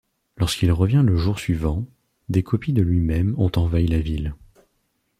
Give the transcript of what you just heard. Lorsqu'il revient le jour suivant, des copies de lui-même ont envahi la ville.